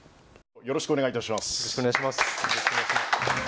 よろしくお願いします。